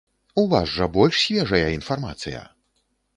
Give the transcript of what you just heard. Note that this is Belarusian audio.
У вас жа больш свежая інфармацыя!